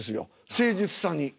誠実さに。